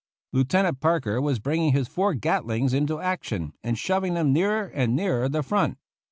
" Lieutenant Parker was bringing his four gatlings into action, and shoving them nearer and nearer the front.